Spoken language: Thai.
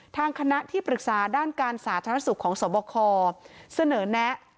ทางคณะที่ปรึกษาด้านการสาธารณสุขของสวบคเสนอแนะ